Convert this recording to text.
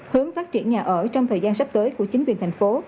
hướng phát triển nhà ở trong thời gian sắp tới của chính quyền thành phố